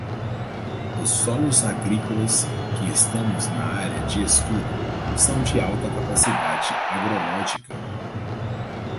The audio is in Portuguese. Os solos agrícolas que estamos na área de estudo são de alta capacidade agrológica.